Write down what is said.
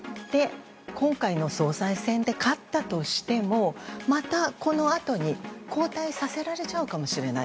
今回の総裁選で勝ったとしてもまたこのあとに交代させられちゃうかもしれない。